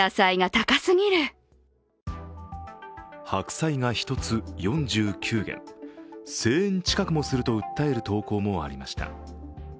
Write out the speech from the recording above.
白菜が１つ４９元、１０００円近くすると訴える投稿もありました。